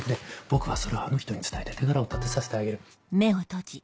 僕はそれをあの人に伝えて手柄を立てさせてあげる。